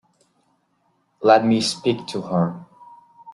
Let me speak to her.